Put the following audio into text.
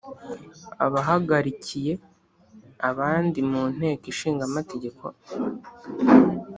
abahagarikiye abandi munteko ishinga amategeko